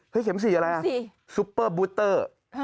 เฮ้ยเข็มสี่อะไรอ่ะสุปเปอร์บูตเตอร์